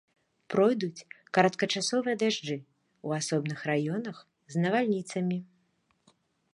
Пройдуць кароткачасовыя дажджы, у асобных раёнах з навальніцамі.